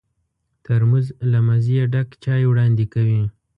ترموز له مزې ډک چای وړاندې کوي.